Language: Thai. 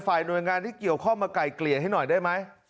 หน่วยงานที่เกี่ยวข้องมาไก่เกลี่ยให้หน่อยได้ไหม